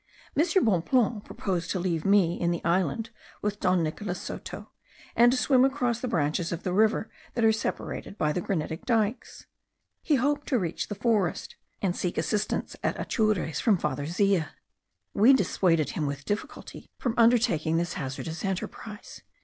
M. Bonpland proposed to leave me in the island with Don Nicolas Soto, and to swim across the branches of the river that are separated by the granitic dikes. He hoped to reach the forest, and seek assistance at Atures from Father Zea. We dissuaded him with difficulty from undertaking this hazardous enterprise.